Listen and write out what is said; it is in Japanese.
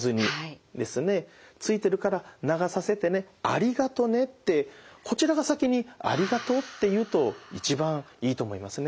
「ついてるから流させてねありがとね」ってこちらが先に「ありがとう」って言うと一番いいと思いますね。